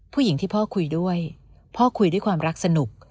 ผู้หญิงที่พ่อคุยด้วยพ่อคุยด้วยความรักสนุก